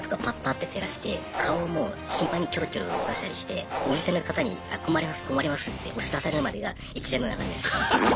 ッて照らして顔をもう頻繁にキョロキョロ動かしたりしてお店の方に「あ困ります困ります」って押し出されるまでが一連の流れです。